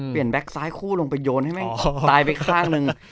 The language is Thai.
เปลี่ยนแบล็กซ้ายคู่ลงไปโยนให้ไหมตายไปข้างหนึ่ง